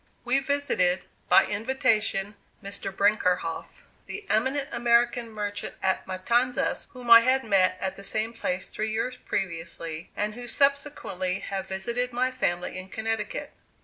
We visited, by invitation, Mr. Brinckerhoff, the eminent American merchant at Matanzas, whom I had met at the same place three years previously, and who subsequently had visited my family in Connecticut.